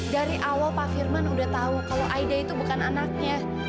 dari awal pak firman udah tahu kalau aida itu bukan anaknya